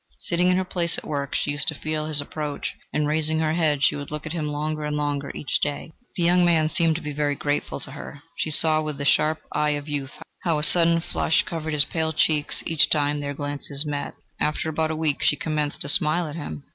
Sitting in her place at work, she used to feel his approach; and raising her head, she would look at him longer and longer each day. The young man seemed to be very grateful to her: she saw with the sharp eye of youth, how a sudden flush covered his pale cheeks each time that their glances met. After about a week she commenced to smile at him...